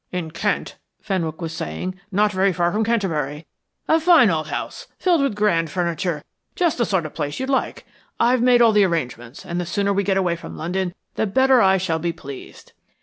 "In Kent," Fenwick was saying. "Not very far from Canterbury. A fine old house, filled with grand furniture, just the sort of place you'd like. I've made all arrangements, and the sooner we get away from London the better I shall be pleased."